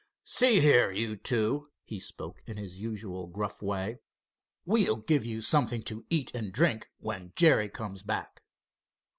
"See here, you two," he spoke in his usual gruff way, "we'll give you something to eat and, drink when Jerry comes back."